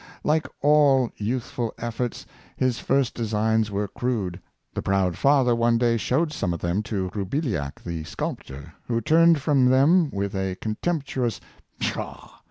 Like all youthful efforts, his first designs were crude. The proud father one day showed some of them to Rou billiac the sculptor, who turned from them with a con temptuous " pshaw!